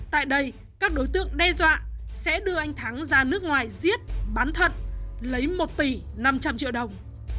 tại đây các đối tượng đe dọa sẽ đưa anh thắng ra nước ngoài giết bán thận lấy một tỷ năm trăm linh triệu đồng